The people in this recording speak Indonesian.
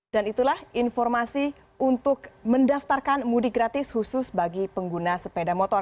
dan itulah informasi untuk mendaftarkan mudik gratis khusus bagi pengguna sepeda motor